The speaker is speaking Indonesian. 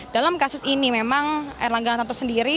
dalam kasus ini memang erlangga hartarto sendiri